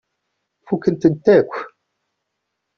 Fukkent-tent akk.